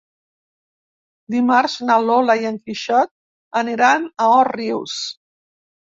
Dimarts na Lola i en Quixot aniran a Òrrius.